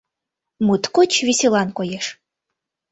Моткоч веселан коеш.